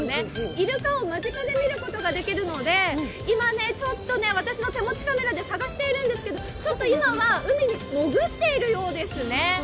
イルカを間近で見ることができるので今、ちょっと私の手持ちカメラで探しているんですけどちょっと今は海に潜っているようですね。